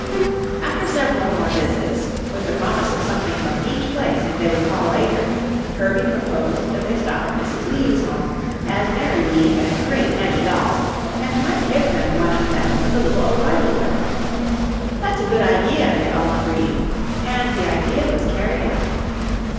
After several more visits, with the promise of something from each place if they would call later, Herbie proposed that they stop at Mrs. Lee's home, as Mary Lee had a great many dolls and might give them one of them for the little O'Reilly girl. "That's a good idea," they all agreed, and the idea was carried out.